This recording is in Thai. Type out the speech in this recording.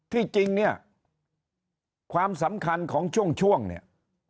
ที่จริงเนี่ยความสำคัญของช่วงเนี่ย